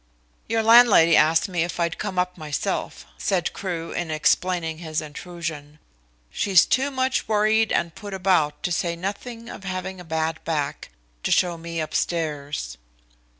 "Your landlady asked me if I'd come up myself," said Crewe, in explaining his intrusion. "She's 'too much worried and put about, to say nothing of having a bad back,' to show me upstairs."